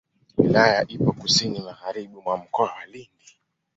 Wilaya ipo kusini magharibi mwa Mkoa wa Lindi.